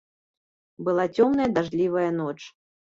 Была цёмная дажджлівая ноч.